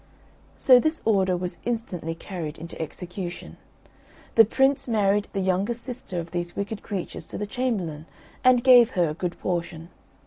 So this order was instantly carried into execution. The Prince married the youngest sister of these wicked creatures to the chamberlain, and gave her a good portion.